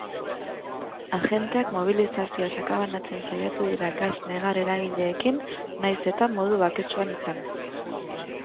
Agenteak mobilizazioa sakabanatzen saiatu dira gas negar-eragileekin, nahiz eta modu baketsuan izan.